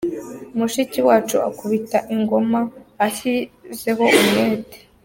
Mushiki wacu akubita ingoma ashyizeho umwete.